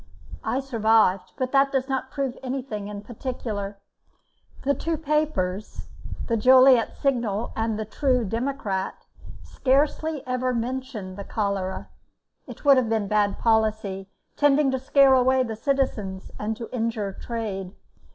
I survived, but that does not prove anything in particular. The two papers, the 'Joliet Signal' and the 'True Democrat', scarcely ever mentioned the cholera. It would have been bad policy, tending to scare away the citizens and to injure trade.